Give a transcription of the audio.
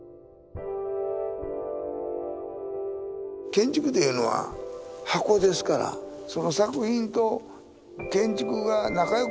建築というのは箱ですからその作品と建築が仲良くする必要はない。